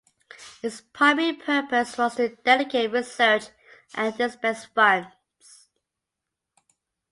Its primary purpose was to delegate research and dispense funds.